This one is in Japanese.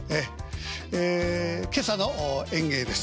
ええ今朝の演芸です。